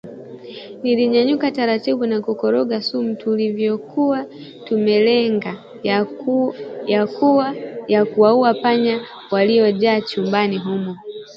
Nilinyanyuka taratibu na kukoroga sumu tuliyokuwa tumelenga ya kuwaua panya waliojaa chumbani humo